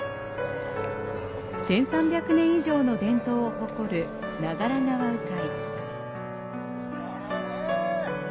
１３００年以上の伝統を誇る長良川鵜飼。